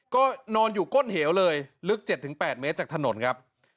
ก็นอนอยู่ก้นเหวเลยลึก๗๘เมตรจากถนนครับ